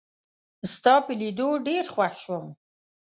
ستا په لیدو ډېر خوښ شوم